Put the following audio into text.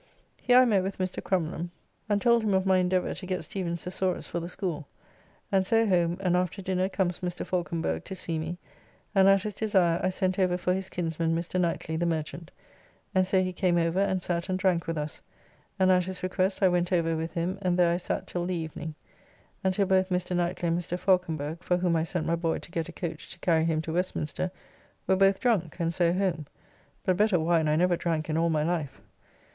Here I met with Mr. Crumlum (and told him of my endeavour to get Stephens's Thesaurus for the school), and so home, and after dinner comes Mr. Faulconberge to see me, and at his desire I sent over for his kinsman Mr. Knightly, the merchant, and so he came over and sat and drank with us, and at his request I went over with him, and there I sat till the evening, and till both Mr. Knightly and Mr. Faulconberge (for whom I sent my boy to get a coach to carry him to Westminster) were both drunk, and so home, but better wine I never drank in all my life.